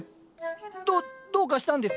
どどうかしたんですか？